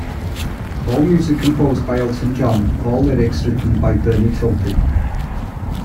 All music composed by Elton John, all lyrics written by Bernie Taupin.